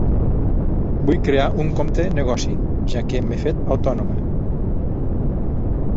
Vull crear un compte negoci, ja que m'he fet autònoma.